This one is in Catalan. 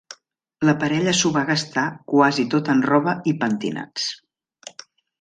La parella s'ho va gastar quasi tot en roba i pentinats.